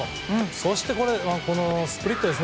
そして、スプリットですね。